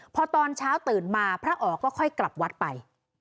พอตอนเช้าตื่นมาพระอ๋อก็ค่อยกลับวัดไป